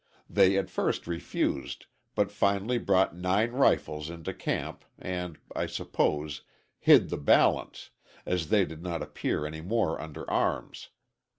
They at first refused, but finally brought nine rifles into camp, and, I suppose, hid the balance, as they did not appear any more under arms.